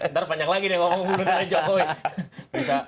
ntar banyak lagi nih ngomong blunder jokowi